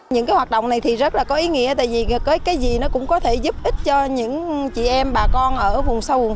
những hoạt động này rất có ý nghĩa vì cái gì cũng có thể giúp ích cho những chị em bà con ở vùng sâu vùng xa như thế này